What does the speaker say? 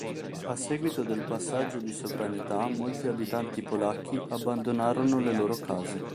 A seguito del passaggio di sovranità molti abitanti polacchi abbandonarono le loro case.